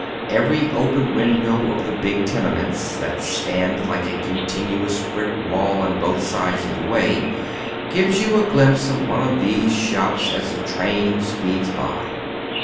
Every open window of the big tenements, that stand like a contitmous brick wall on both sides of the way, gives you aglimpse of one of these shops as the train speeds by.